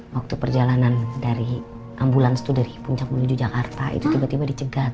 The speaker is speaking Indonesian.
waktu perjalanan dari ambulans itu dari puncak menuju jakarta itu tiba tiba dicegat